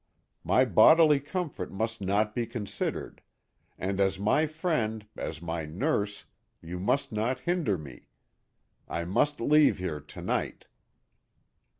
My bodily comfort must not be considered; and as my friend, as my nurse, you must not hinder me. I must leave here to night."